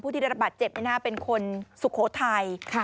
ผู้ที่ได้รับบาดเจ็บในหน้าเป็นคนสุโขทัย